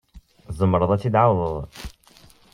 Tzemreḍ ad t-id-tɛawdeḍ?